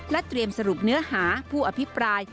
เตรียมสรุปเนื้อหาผู้อภิปราย